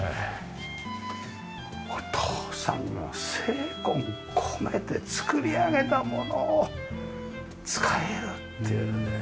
お父さんが精魂込めて作り上げたものを使えるっていうね。